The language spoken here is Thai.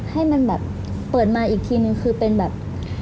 ให้มันแบบเปิดมาอีกทีนึงคือเป็นแบบ